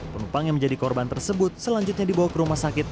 penumpang yang menjadi korban tersebut selanjutnya dibawa ke rumah sakit